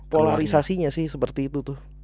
polarisasi nya sih seperti itu tuh